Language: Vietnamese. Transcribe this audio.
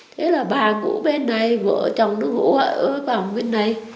thế là bà ngủ bên này vợ chồng nó ngủ ở vòng bên này